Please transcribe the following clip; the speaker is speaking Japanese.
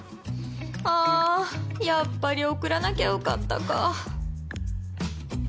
ああやっぱり送らなきゃよかったか